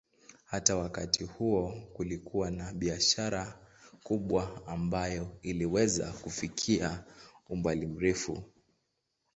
Hata wakati huo kulikuwa na biashara kubwa ambayo iliweza kufikia umbali mrefu.